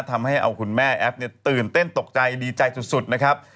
ทำให้เอาคุณแม่แอฟตื่นเต้นตกใจดีใจสุดนะครับ